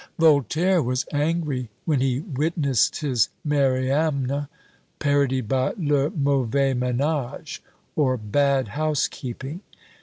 Voltaire was angry when he witnessed his Mariamne parodied by Le mauvais Menage; or "Bad Housekeeping."